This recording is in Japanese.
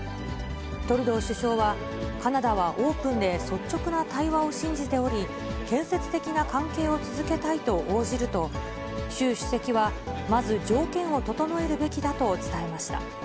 トルドー首相は、カナダはオープンで、率直を対話を信じており、建設的な関係を続けたいと応じると、習主席は、まず条件を整えるべきだと伝えました。